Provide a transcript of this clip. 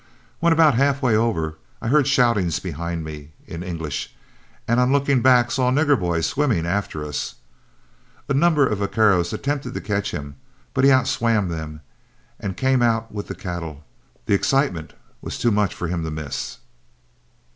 When about halfway over, I heard shoutings behind me in English, and on looking back saw Nigger Boy swimming after us. A number of vaqueros attempted to catch him, but he outswam them and came out with the cattle; the excitement was too much for him to miss.